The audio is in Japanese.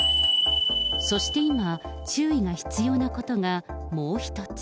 そして今、注意が必要なことがもう一つ。